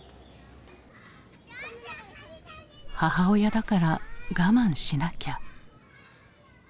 「母親だから我慢しなきゃ」。